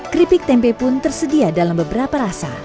keripik tempe pun tersedia dalam beberapa rasa